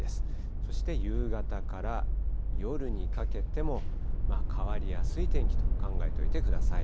そして夕方から夜にかけても、変わりやすい天気と考えておいてください。